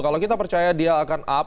kalau kita percaya dia akan up